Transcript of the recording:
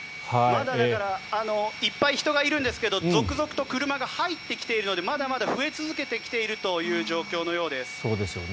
いっぱい人がいるんですけど続々と車が入ってきているのでまだまだ増え続けてきているという状況のようです。